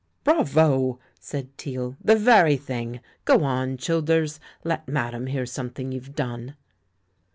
"Bravo," said Teale, "the very thing! Go on, Childers; let madame hear something you've done."